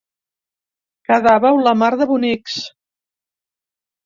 Quedàveu la mar de bonics.